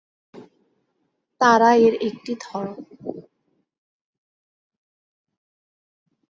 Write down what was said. তারা এর একটি ধরন।